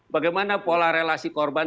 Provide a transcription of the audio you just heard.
bagaimana pola relasi korban